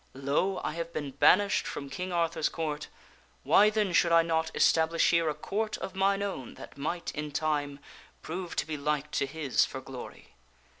Lo! I have been banished from King Arthur's Court; why then should I not establish here a Court of mine own that might, in time, prove to be like to his for glory?"